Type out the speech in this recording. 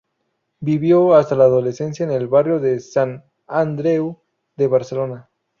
Vivió hasta la adolescencia en el barrio de Sant Andreu de Barcelona.